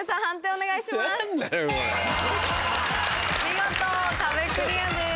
判定お願いします。